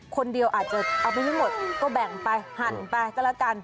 คนเดียวอาจจะเอาไปไม่หมดก็แบ่งไปหั่นไปก็แล้วกัน